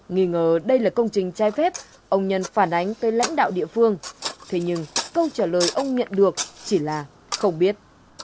nghĩ ngờ đây là công trình trái phép ông nhân phản ánh tới lãnh đạo địa phương thế nhưng câu trả lời ông nhận được chỉ là không biết